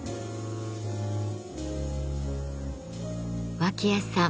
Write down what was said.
脇屋さん